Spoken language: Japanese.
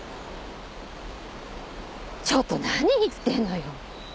ちょっと何言ってんのよ。